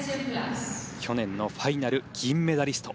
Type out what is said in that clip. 去年のファイナル銀メダリスト。